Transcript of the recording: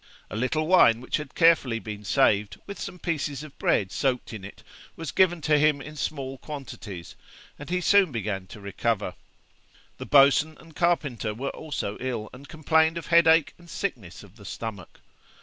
A little wine, which had carefully been saved, with some pieces of bread soaked in it, was given to him in small quantities, and he soon began to recover. The boatswain and carpenter were also ill, and complained of headache and sickness of the stomach.